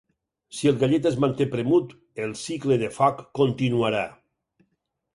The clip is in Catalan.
Si el gallet es manté premut, el cicle de foc continuarà.